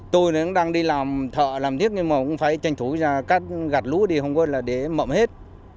tôi đang đi làm thợ làm thiết nhưng mà cũng phải tranh thủ ra cắt gặt lúa đi không có là để mậm hết